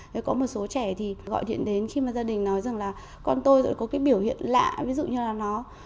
thế có một số trẻ thì gọi điện đến khi mà gia đình nói rằng là con tôi có cái biểu hiện lạ ví dụ như là nó